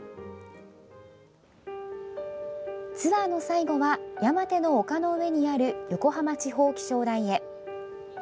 ツアーの最後は山手の丘の上にある横浜地方気象台へ。